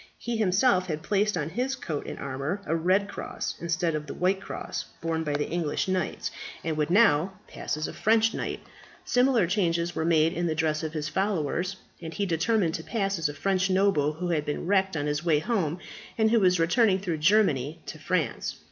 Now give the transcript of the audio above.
He himself had placed on his coat and armour a red cross, instead of the white cross borne by the English knights, and would now pass as a French knight. Similar changes were made in the dress of his followers, and he determined to pass as a French noble who had been wrecked on his way home, and who was returning through Germany to France.